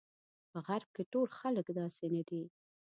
په غرب کې ټول خلک داسې نه دي.